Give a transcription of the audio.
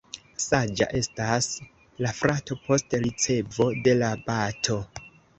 Saĝa estas la frato post ricevo de la bato.